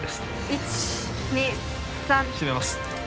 １２３閉めます